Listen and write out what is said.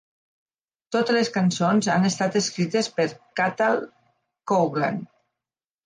Totes les cançons han estat escrites per Cathal Coughlan.